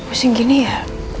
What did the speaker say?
pusing gini ya